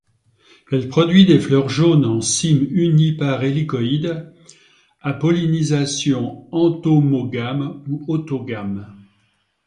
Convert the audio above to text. Elle produit des fleurs jaunes en cyme unipare hélicoïde, à pollinisation entomogame ou autogame.